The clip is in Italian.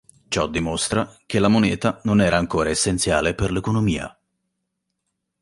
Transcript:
Ciò dimostra che la monete non era ancora essenziale per l'economia.